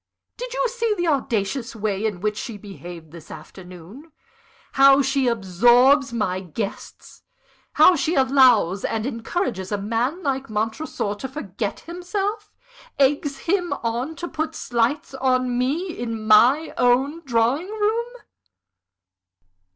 Did you see the audacious way in which she behaved this afternoon? how she absorbs my guests? how she allows and encourages a man like Montresor to forget himself? eggs him on to put slights on me in my own drawing room!"